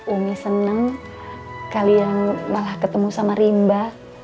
umi seneng kalian malah ketemu sama limba